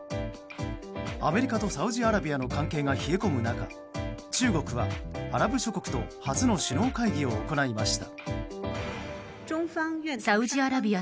アメリカとサウジアラビアの関係が冷え込む中中国はアラブ諸国と初の首脳会議を行いました。